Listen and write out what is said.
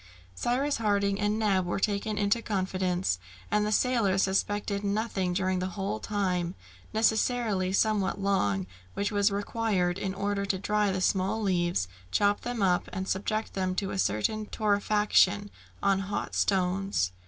Cyrus Harding and Neb were taken into confidence, and the sailor suspected nothing during the whole time, necessarily somewhat long, which was required in order to dry the small leaves, chop them up, and subject them to a certain torrefaction on hot stones.